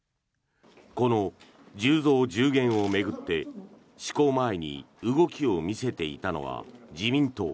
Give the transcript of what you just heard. この１０増１０減を巡って施行前に動きを見せていたのは自民党。